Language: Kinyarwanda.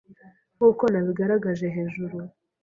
nk’uko nabigaragaje hejuru,